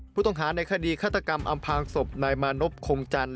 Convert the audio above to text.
ผู้ต้องหาในคดีฆาตกรรมอำพางศพนายมานพคงจันท